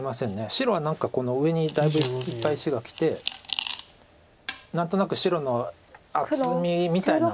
白は何か上にだいぶいっぱい石がきて何となく白の厚みみたいな。